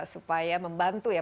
supaya membantu ya